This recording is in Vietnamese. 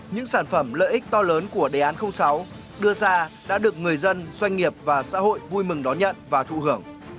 những sản phẩm lợi ích to lớn của đề án sáu đưa ra đã được người dân doanh nghiệp và xã hội vui mừng đón nhận và thụ hưởng